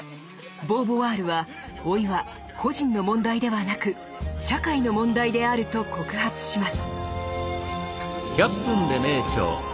ボーヴォワールは「老い」は個人の問題ではなく社会の問題であると告発します。